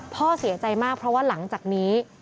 พ่อเสียใจมากเพราะว่าหลังจากนี้